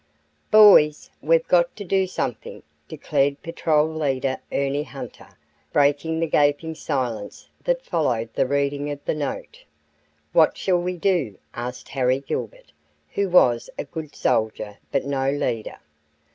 "Boys, we've got to do something," declared Patrol Leader Ernie Hunter, breaking the gaping silence that followed the reading of the note. "What shall we do?" asked Harry Gilbert, who was a good soldier, but no leader.